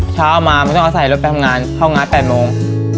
เช้ามาไม่ต้องอาศัยรถไปทำงานเข้างาน๘โมง